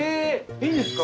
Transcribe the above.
いいんですか？